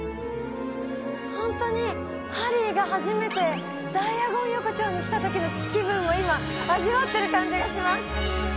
ホントにハリーが初めてダイアゴン横丁に来た時の気分を今味わってる感じがします